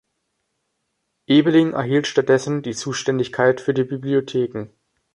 Ebeling erhielt stattdessen die Zuständigkeit für die Bibliotheken.